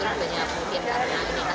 karena ini kebetulan banyak mungkin